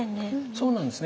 そうなんですね。